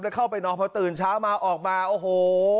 แล้วเข้าไปนอนพอตื่นเช้ามาออกมาโอ้โห